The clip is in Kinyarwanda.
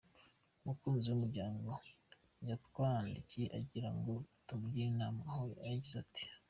Umukunzi w’umuryango yatwandikiye agira ngo tumugire inama, aho yagize ati:.